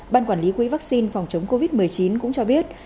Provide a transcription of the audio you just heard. ban quản lý quỹ vaccine phòng chống covid một mươi chín cũng cho biết